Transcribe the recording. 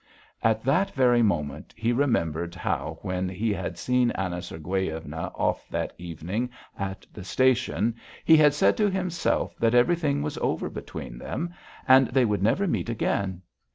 At that very moment he remembered how when he had seen Anna Sergueyevna off that evening at the station he had said to himself that everything was over between them, and they would never meet again.